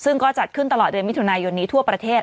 ซึ่งก็จัดขึ้นตลอดเดือนมิถุนายนนี้ทั่วประเทศ